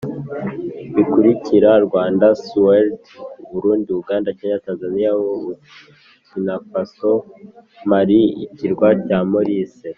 bikurikira Rwanda Suwedi Burundi Uganda Kenya Tanzania Burkina Faso Mali Ikirwa cya Maurice